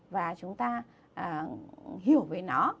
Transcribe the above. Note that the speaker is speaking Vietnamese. và chúng ta hiểu về nó